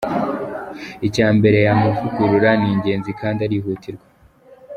Icya mbere, aya mavugurura ni ingenzi kandi arihutirwa.